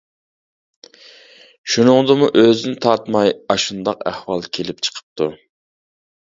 شۇنىڭدىمۇ ئۆزىنى تارتماي ئاشۇنداق ئەھۋال كېلىپ چىقىپتۇ.